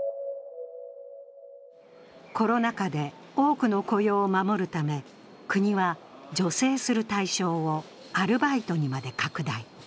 コロナ禍で多くの雇用を守るため国は助成する対象をアルバイトにまで拡大。